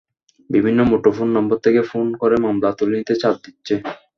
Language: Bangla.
বিভিন্ন মুঠোফোন নম্বর থেকে ফোন করে মামলা তুলে নিতে চাপ দিচ্ছে।